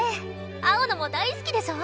青野も大好きでしょ？